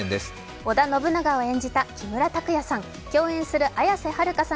織田信長を演じた木村拓哉さん。